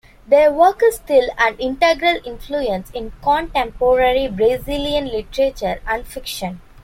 Their work is still an integral influence in contemporary Brazilian literature and fiction.